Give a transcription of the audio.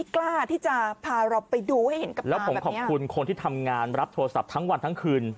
กล้าที่จะพาเราไปดูให้เห็นกับเราแล้วผมขอบคุณคนที่ทำงานรับโทรศัพท์ทั้งวันทั้งคืน